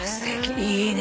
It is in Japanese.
いいね。